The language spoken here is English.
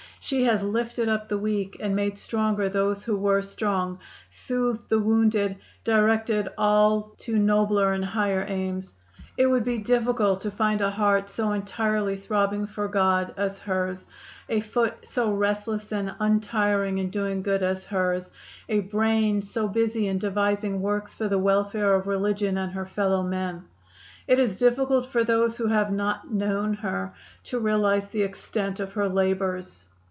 She has lifted up the weak, and made stronger those who were strong; soothed the wounded, directed all to nobler and higher aims. It would be difficult to find a heart so entirely throbbing for God as hers; a foot so restless and untiring in doing good as hers; a brain so busy in devising works for the welfare of religion and her fellow men. It is difficult for those who have not known her to realize the extent of her labors.